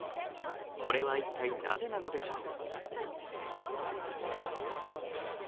これは一体なぜなのでしょう。